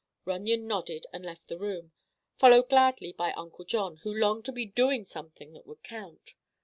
Runyon nodded and left the room, followed gladly by Uncle John, who longed to be doing something that would count.